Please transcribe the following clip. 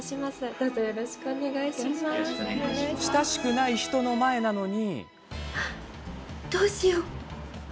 親しくない人の前なのに。